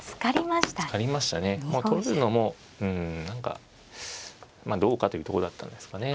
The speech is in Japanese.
取るのも何かどうかというとこだったんですかね。